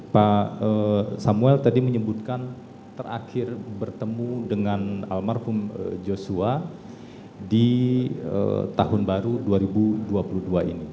pak samuel tadi menyebutkan terakhir bertemu dengan almarhum joshua di tahun baru dua ribu dua puluh dua ini